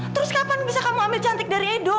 terus kapan bisa kamu ambil cantik dari edo